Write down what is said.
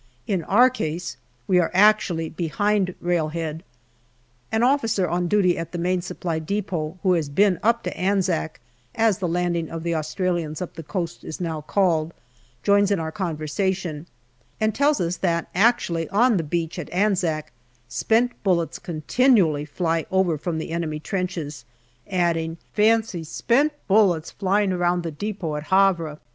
In our case we are actually behind railhead. An officer on duty at the Main Supply depot who has been up to Anzac, as the landing of the Australians up the coast is now called, joins in our conversation, and tells us that actually on the beach at Anzac spent bullets continually fly over from the enemy trenches, adding, " Fancy spent bullets flying round the depot at Havre